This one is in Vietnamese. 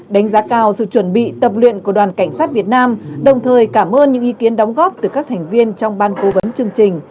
đánh giá cao sự chuẩn bị tập luyện của đoàn cảnh sát việt nam đồng thời cảm ơn những ý kiến đóng góp từ các thành viên trong ban cố vấn chương trình